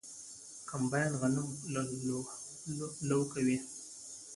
کمباین غنم لو کوي.